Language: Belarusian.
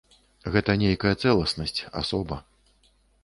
Гэта нейкая цэласнасць, асоба.